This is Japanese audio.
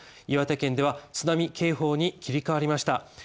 岩手県では、津波警報に切り替わりました。